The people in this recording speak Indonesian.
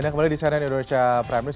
anda kembali di cnn indonesia prime news